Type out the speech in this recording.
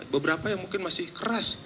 beberapa yang mungkin masih keras